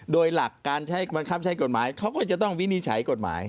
โดยหลักการใช้บังคับใช้กฎหมายเขาก็จะต้องวินิจฉัยกฎหมาย